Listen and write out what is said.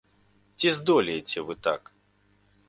Ці здолееце вы так?